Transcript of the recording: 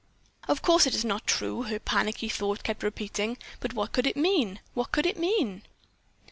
"Of course it is not true," her panicky thought kept repeating. "But what could it mean? What could it mean?"